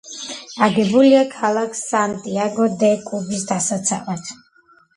აგებულია ქალაქ სანტიაგო-დე-კუბის დასაცავად.